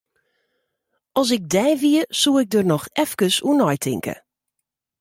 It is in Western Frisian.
As ik dy wie, dan soe ik der noch efkes oer neitinke.